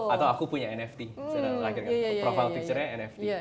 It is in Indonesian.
atau aku punya nft profile picture nya nft